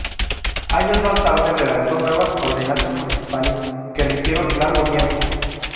Años más tarde redactó nuevas "Ordenanzas municipales" que rigieron largo tiempo.